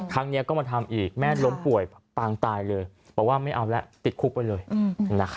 ครั้งนี้ก็มาทำอีกแม่ล้มป่วยปางตายเลยบอกว่าไม่เอาแล้วติดคุกไปเลย